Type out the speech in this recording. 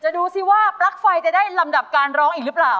ดูสิว่าปลั๊กไฟจะได้ลำดับการร้องอีกหรือเปล่า